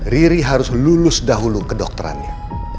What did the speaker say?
riri harus lulus dahulu kedokterannya